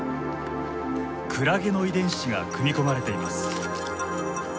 クラゲの遺伝子が組み込まれています。